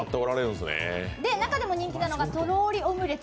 中でも人気なのがとろりオムレツ